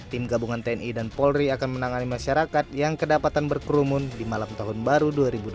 tim gabungan tni dan polri akan menangani masyarakat yang kedapatan berkerumun di malam tahun baru dua ribu dua puluh